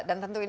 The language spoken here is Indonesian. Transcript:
dan ini tentu